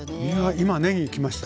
今ねぎきました。